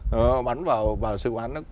họ bắn vào sứ quán